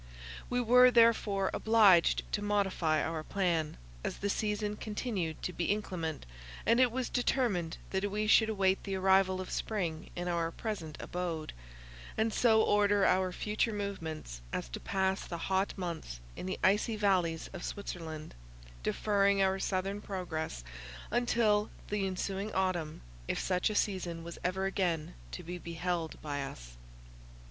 We were therefore obliged to modify our plan, as the season continued to be inclement; and it was determined that we should await the arrival of spring in our present abode, and so order our future movements as to pass the hot months in the icy vallies of Switzerland, deferring our southern progress until the ensuing autumn, if such a season was ever again to be beheld by us.